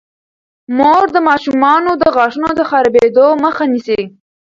مور د ماشومانو د غاښونو د خرابیدو مخه نیسي.